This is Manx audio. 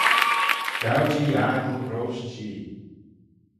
Gow-jee aggle roish Jee.